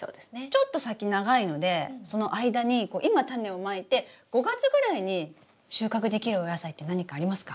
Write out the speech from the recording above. ちょっと先長いのでその間に今タネをまいて５月ぐらいに収穫できるお野菜って何かありますか？